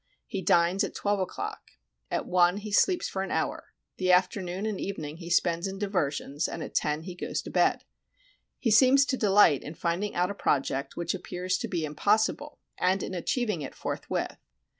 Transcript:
He dines at twelve o'clock. At one he sleeps for an hour; the afternoon and evening he spends in diversions, and at ten he goes to bed. He seems to delight in finding out a project which appears to be impossible, and in achieving it forthwith.